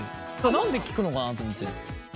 なんで聞くのかなと思って。